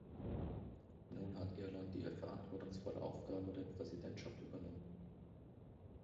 Nun hat Irland die verantwortungsvolle Aufgabe der Präsidentschaft übernommen.